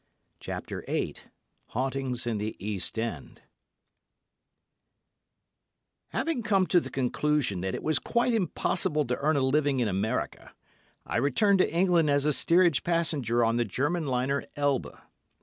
CHAPTER VIII HAUNTINGS IN THE EAST END Having come to the conclusion that it was quite impossible to earn a living in America, I returned to England as a steerage passenger on the German liner "Elbe."